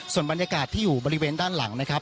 ส่วนบรรยากาศที่อยู่บริเวณด้านหลังนะครับ